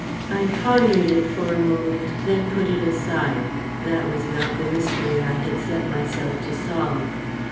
I pondered it for a moment, then put it aside. That was not the mystery I had set myself to solve.